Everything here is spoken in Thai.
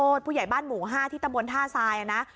ทุกคนพูดใหญ่บ้านหมู่ห้าที่ทะมนต์ท่าซายนะ